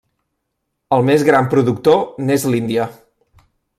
El més gran productor n'és l'Índia.